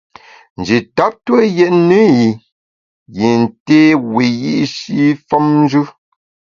Nji tap tue yètne i yin té wiyi’shi femnjù.